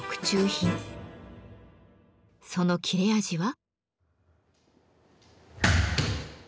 その切れ味は？